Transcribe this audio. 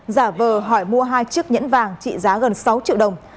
giả vờ hỏi mua hai chiếc nhẫn vàng trị giá gần sáu triệu đồng